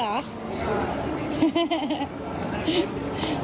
หัวหน้าแก๊งเด็ก